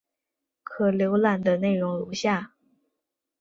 可浏览的内容如下。